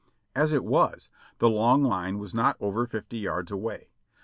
As it was, the long line was not over fifty yards away.